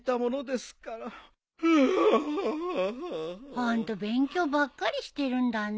ホント勉強ばっかりしてるんだね。